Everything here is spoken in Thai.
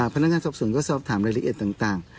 พนักงานสอบสวนก็สอบถามรายละเอียดต่าง